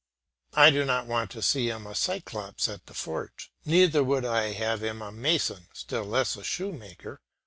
I do not want to see him a Cyclops at the forge. Neither would I have him a mason, still less a shoemaker.